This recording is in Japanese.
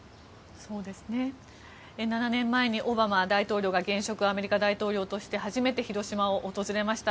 ７年前にオバマ大統領が現職アメリカ大統領として初めて広島を訪れました。